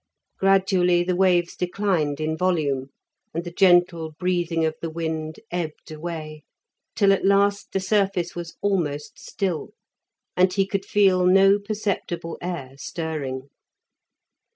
Gradually the waves declined in volume, and the gentle breathing of the wind ebbed away, till at last the surface was almost still, and he could feel no perceptible air stirring.